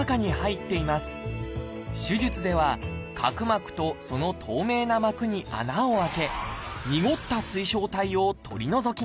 手術では角膜とその透明な膜に穴を開けにごった水晶体を取り除きます。